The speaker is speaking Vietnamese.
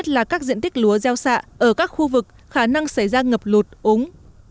là các diện tích lúa gieo xạ ở các khu vực khả năng xảy ra ngập lụt úng